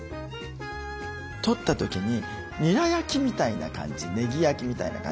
取った時ににら焼きみたいな感じねぎ焼きみたいな感じ